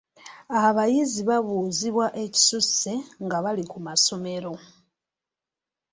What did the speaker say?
Abayizi babuuzibwa ekisusse nga bali ku ssomero.